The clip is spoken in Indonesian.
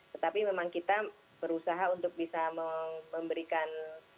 tetapi memang kita berusaha untuk bisa memberikan